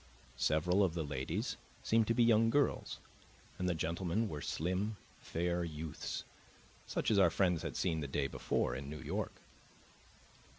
Several of the ladies seemed to be young girls, and the gentlemen were slim, fair youths, such as our friends had seen the day before in New York.